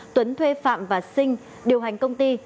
tuấn thuê phạm và sinh điều hành công ty